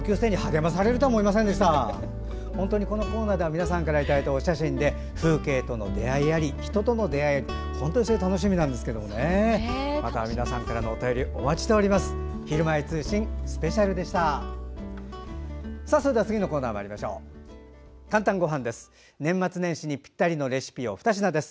また皆さんからのお便りお待ちしております。